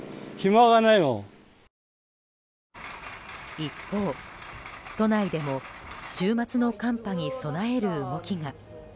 一方、都内でも週末の寒波に備える動きが。